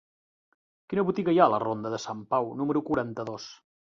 Quina botiga hi ha a la ronda de Sant Pau número quaranta-dos?